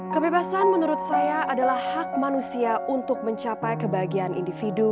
kebebasan menurut saya adalah hak manusia untuk mencapai kebahagiaan individu